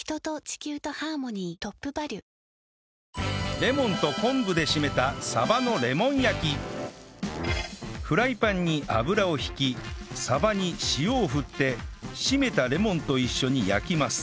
レモンと昆布で締めたフライパンに油を引きサバに塩を振って締めたレモンと一緒に焼きます